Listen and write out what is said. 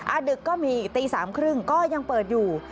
ดึกก็มีตี๓๓๐ก็ยังเปิดอยู่